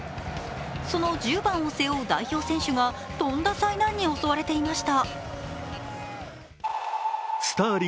その１０番を背負う代表選手がとんだ災難に襲われていました。